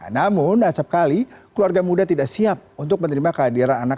namun acapkali keluarga muda tidak siap untuk menerima kehadiran anak